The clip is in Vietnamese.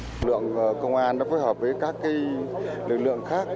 lực lượng công an đã phối hợp với các lực lượng khác